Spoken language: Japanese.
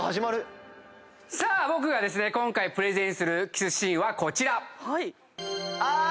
さあ僕がですね今回プレゼンするキスシーンはこちら。